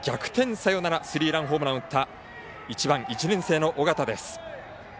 サヨナラスリーランホームランを打った１番、１年生の緒方です。